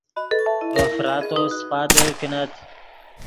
ڤے فراتو سیپادے کینت